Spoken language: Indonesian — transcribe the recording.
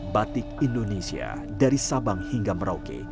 batik indonesia dari sabang hingga merauke